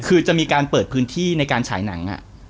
คือจะมีการเปิดพื้นที่ในการฉายหนัง